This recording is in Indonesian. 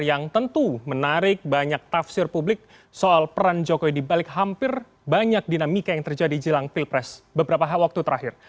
yang tentu menarik banyak tafsir publik soal peran jokowi dibalik hampir banyak dinamika yang terjadi jelang pilpres beberapa waktu terakhir